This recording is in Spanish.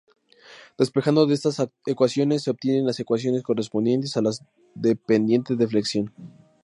Despejando de estas ecuaciones, se obtienen las ecuaciones correspondientes a las de pendiente-deflexión.